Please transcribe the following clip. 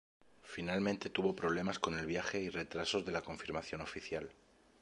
Finalmente tuvo problemas con el viaje y retrasos de la confirmación oficial.